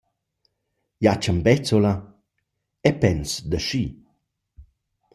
Jachen Bezzola: Eu pens da schi.